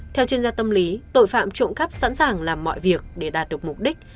theo chuyên gia tâm lý tội phạm trộm cắp sẵn sàng làm mọi việc để đạt được mục đích